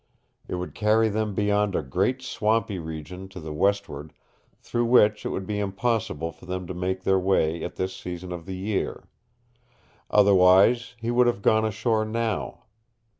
It would carry them beyond a great swampy region to the westward through which it would be impossible for them to make their way at this season of the year. Otherwise he would have gone ashore now.